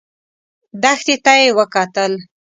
دښتې ته يې وکتل.